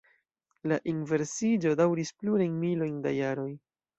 La inversiĝo daŭris plurajn milojn da jaroj.